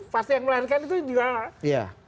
partai yang melahirkan itu juga